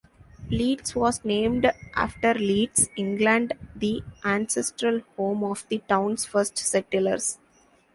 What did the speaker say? Leeds was named after Leeds, England, the ancestral home of the town's first settlers.